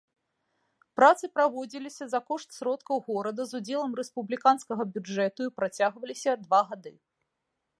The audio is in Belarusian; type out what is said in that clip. Працы праводзіліся за кошт сродкаў горада з удзелам рэспубліканскага бюджэту і працягваліся два гады.